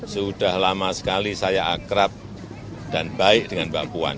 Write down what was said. sudah lama sekali saya akrab dan baik dengan mbak puan